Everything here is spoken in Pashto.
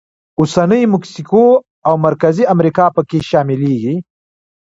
اوسنۍ مکسیکو او مرکزي امریکا پکې شاملېږي.